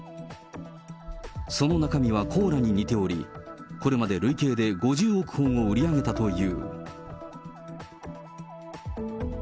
その中身はコーラに似ており、これまで累計で５０億本を売り上げたという。